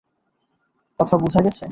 কথা বোঝা গেছে?